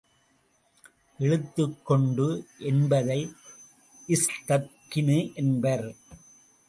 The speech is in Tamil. இழுத்துக்கொண்டு—என்பதை இஸ்த்துக்கினு என்பர்.